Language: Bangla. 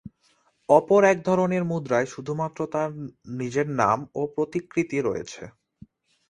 অপর এক ধরনের মুদ্রায় শুধুমাত্র তার নিজের নাম ও প্রতিকৃতি রয়েছে।